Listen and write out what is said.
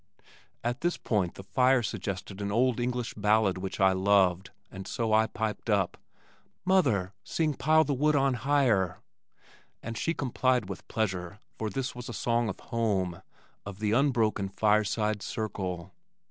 At this point the fire suggested an old English ballad which I loved, and so I piped up, "Mother, sing, 'Pile the Wood on Higher!'" and she complied with pleasure, for this was a song of home, of the unbroken fireside circle.